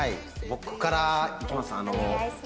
僕からいきます。